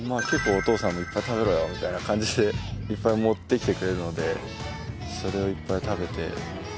お父さんもいっぱい食べろよみたいな感じでいっぱい持ってきてくれるのでそれをいっぱい食べて。